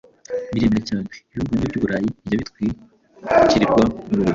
miremire cyane. Ibihugu bimwe by’i Burayi bijya bitwikirirwa n’urubura